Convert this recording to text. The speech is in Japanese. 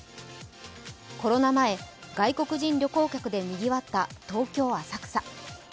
コロナ前、外国人旅行客でにぎわった東京・浅草。